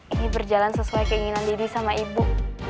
ini berjalan sesuai keinginan diri sama ibu